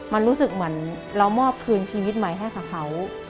มันรู้สึกเหมือนเรามอบคืนชีวิตใหม่ให้กับเขา